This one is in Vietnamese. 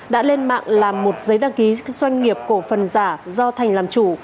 đã lên mạng làm một giấy đăng ký doanh nghiệp cổ phần giả do thành làm chủ